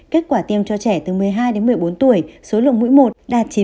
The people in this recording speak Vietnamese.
kết quả tiêm cho trẻ từ một mươi hai đến một mươi bốn tuổi số lượng mũi một đạt chín mươi